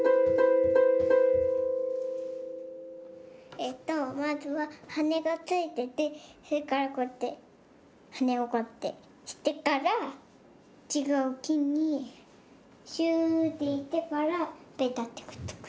えっとまずははねがついててそれからこうやってはねをこうやってしてからちがうきにシューッていってからベタッてくっつく。